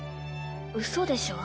うそでしょ？